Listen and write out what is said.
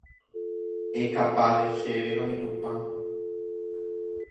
Ekapade chéve roinupã